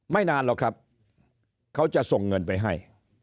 นานหรอกครับเขาจะส่งเงินไปให้